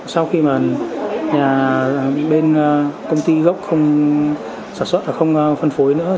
sau khi mà nhà bên công ty gốc không sản xuất không phân phối nữa